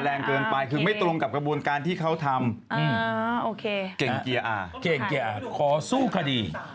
เอ้าก็ปฏิเสธุข้อเก่าหาล่ะสำเร็จผิด